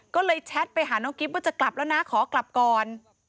ก็เลยแชทไปหาน้องกิ๊บว่าจะกลับแล้วนะขอกลับก่อน